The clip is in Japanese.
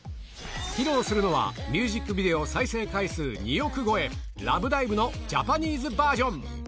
披露するのは、ミュージックビデオ再生回数２億超え、ＬＯＶＥＤＩＶＥのジャパニーズバージョン。